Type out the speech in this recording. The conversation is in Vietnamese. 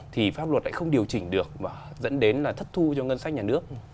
thì pháp luật lại không điều chỉnh được mà dẫn đến là thất thu cho ngân sách nhà nước